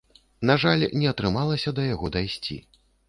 На жаль, не атрымалася да яго дайсці.